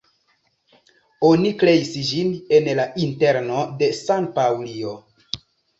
Oni kreis ĝin en la interno de San-Paŭlio.